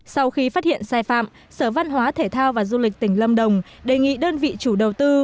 sau khi phát hiện sai phạm sở văn hóa thể thao và du lịch tỉnh lâm đồng đề nghị đơn vị chủ đầu tư